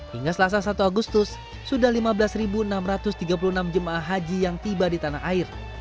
hingga selasa satu agustus sudah lima belas enam ratus tiga puluh enam jemaah haji yang tiba di tanah air